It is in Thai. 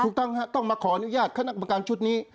ถูกต้องครับต้องมาขออนุญาตขณะกำกันชุดนี้